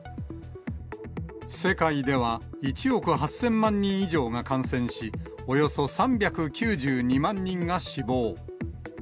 世界では１億８０００万人以上が感染し、およそ３９２万人が死亡。